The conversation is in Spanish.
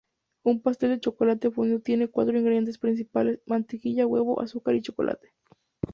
Un pastel de chocolate fundido tiene cuatro ingredientes principales: mantequilla, huevo, azúcar, y chocolate.